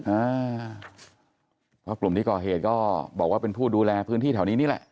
อ่าเพราะกลุ่มที่ก่อเหตุก็บอกว่าเป็นผู้ดูแลพื้นที่แถวนี้นี่แหละ